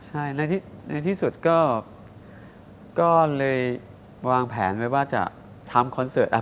ใช่ในที่สุดก็เลยวางแผนไว้ว่าจะทำคอนเสิร์ต